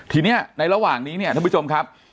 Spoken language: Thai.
ทีนี้ในระหว่างนี้เนี่ยท่านผู้ชมครับ